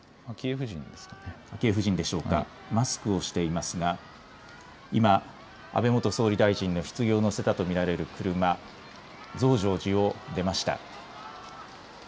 昭恵夫人でしょうか、マスクをしていますが今、安倍元総理大臣のひつぎを乗せたと見られる車、増上寺を出ました。